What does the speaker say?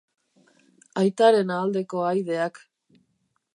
Aitaren aldeko ahaideak.